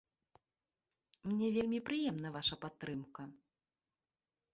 Мне вельмі прыемна ваша падтрымка.